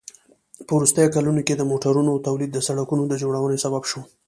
په وروستیو کلونو کې د موټرونو تولید د سړکونو د جوړونې سبب شو.